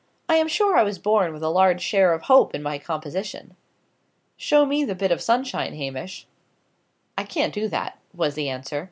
I am sure I was born with a large share of hope in my composition." "Show me the bit of sunshine, Hamish." "I can't do that," was the answer.